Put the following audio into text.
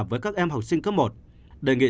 với các em học sinh cấp một đề nghị